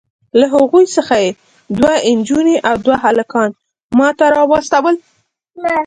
له هغوی څخه یې دوې نجوني او دوه هلکان ماته راواستول.